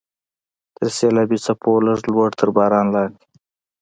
تر سیلابي څپو لږ لوړ، تر باران لاندې.